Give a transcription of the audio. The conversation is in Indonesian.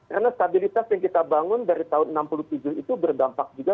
karena stabilitas yang kita bangun dari tahun seribu sembilan ratus enam puluh tujuh itu berdampak juga